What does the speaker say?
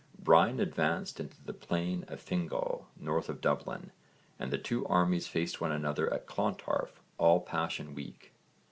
Brian advanced into the plain of Fingall, north of Dublin, and the two armies faced one another at Clontarf all Passion week.